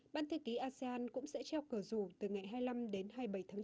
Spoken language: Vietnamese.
ban thư ký asean cũng sẽ trao cờ rủ từ ngày hai mươi năm đến hai mươi bảy tháng chín